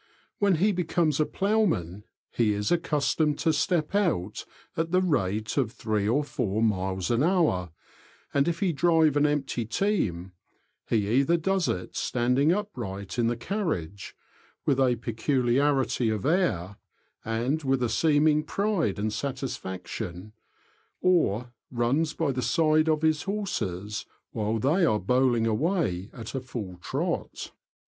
When he becomes a ploughman, he is accustomed to step out at the rate of three or four miles an hour; and if he drive an empty team, he either does it standing upright in the carriage, with a peculiarity of air, and with a seeming pride and satisfaction, or runs by the side of his horses while they are bowling away at a full trot. CHARACTERISTICS AND DIALECT.